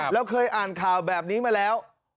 แล้วเคยอ่านข่าวแบบนี้มาแล้ว